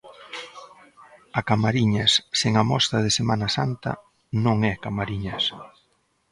A Camariñas, sen a mostra de Semana Santa, non é Camariñas.